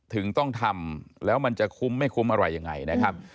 ถึงต้องทำแล้วมันจะคุ้มไม่คุ้มอะไรยังไงนะครับ